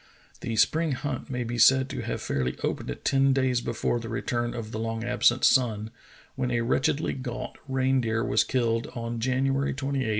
The spring hunt may be said to have fairly opened ten days before the return of the long absent sun, when a wretchedly gaunt reindeer was killed on January 28, 1852.